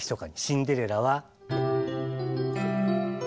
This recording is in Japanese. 「シンデレラ」は。